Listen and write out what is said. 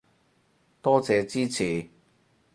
多謝支持